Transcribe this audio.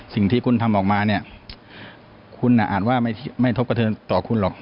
สิ่งที่คุณทำออกมาเนี่ยคุณอาจว่าไม่ทบกระเทินต่อคุณหรอก